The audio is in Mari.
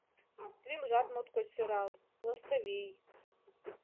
Лӱмжат моткочак сӧрал: Лыстывий.